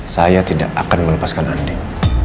saya tidak akan mengecewakan andin